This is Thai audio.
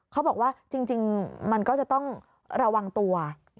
เขาบอกว่าจริงมันก็จะต้องระวังตัว